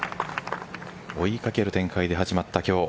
追いかける展開で始まった今日。